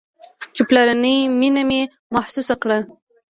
چې پلرنۍ مينه مې محسوسه كړه.